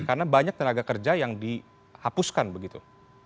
karena banyak tenaga kerja yang dihapuskan begitu